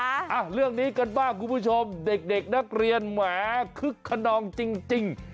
อ่ะเรื่องนี้กันบ้างคุณผู้ชมเด็กเด็กนักเรียนแหมคึกขนองจริงจริง